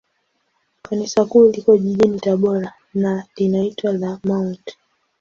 Kanisa Kuu liko jijini Tabora, na linaitwa la Mt.